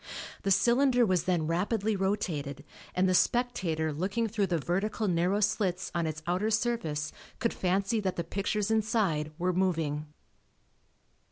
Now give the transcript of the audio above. The cylinder was then rapidly rotated and the spectator looking through the vertical narrow slits on its outer surface, could fancy that the pictures inside were moving.